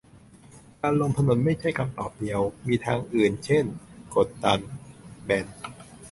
การลงถนนไม่ใช่คำตอบเดียว มีทางอื่นเช่น กดดัน แบน